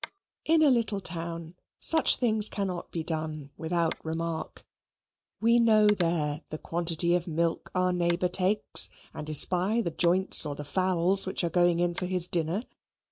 In a little town such things cannot be done without remark. We know there the quantity of milk our neighbour takes and espy the joint or the fowls which are going in for his dinner.